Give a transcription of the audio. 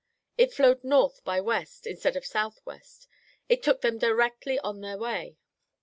It flowed north by west instead of southwest. It took them directly on their way.